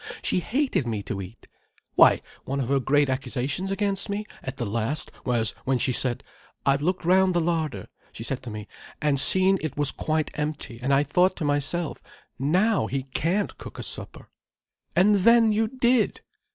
She hated me to eat. Why, one of her great accusations against me, at the last, was when she said: 'I've looked round the larder,' she said to me, 'and seen it was quite empty, and I thought to myself: Now he can't cook a supper! And then you did!